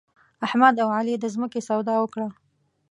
احمد او علي د ځمکې سودا وکړه.